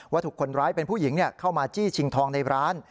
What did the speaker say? ถูกคนร้ายเป็นผู้หญิงเข้ามาจี้ชิงทองในร้าน